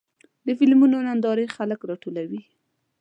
د فلمونو نندارې خلک راټولوي.